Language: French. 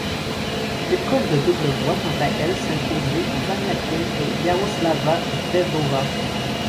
L'épreuve de double voit quant à elle s'imposer Vania King et Yaroslava Shvedova.